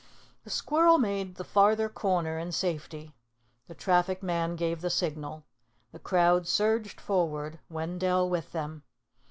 The squirrel made the farther corner in safety. The traffic man gave the signal. The crowd surged forward, Wendell with them.